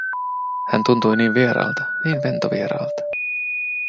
Hän tuntui niin vieraalta, niin ventovieraalta.